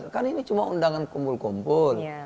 kan ini cuma undangan kumpul kumpul